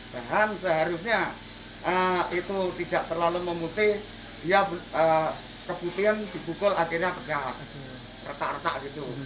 bahan seharusnya itu tidak terlalu memutih keputihan dibukul akhirnya pecah retak retak gitu